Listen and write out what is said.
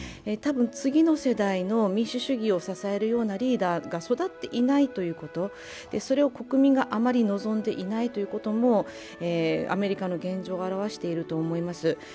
多分次の世代の民主主義を支えるようなリーダーが育っていないということ、それを国民があまり望んでいないこともアメリカの現状を表していると思います。